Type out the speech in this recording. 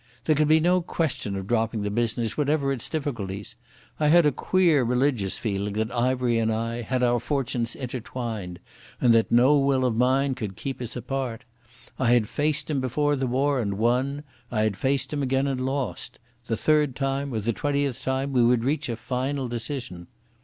There could be no question of dropping the business, whatever its difficulties. I had a queer religious feeling that Ivery and I had our fortunes intertwined, and that no will of mine could keep us apart. I had faced him before the war and won; I had faced him again and lost; the third time or the twentieth time we would reach a final decision.